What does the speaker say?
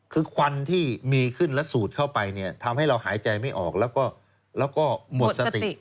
คือควันที่มีขึ้นและสูดเข้าไปเนี่ยทำให้เราหายใจไม่ออกแล้วก็หมดสติ